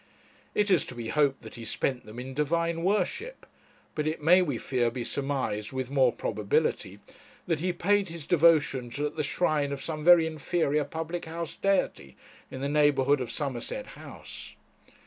It is to be hoped that he spent them in divine worship; but it may, we fear, be surmised with more probability, that he paid his devotions at the shrine of some very inferior public house deity in the neighbourhood of Somerset House.